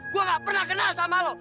gue gak pernah kenal sama lo